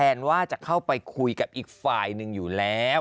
ว่าจะเข้าไปคุยกับอีกฝ่ายหนึ่งอยู่แล้ว